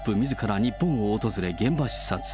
日本を訪れ現場視察。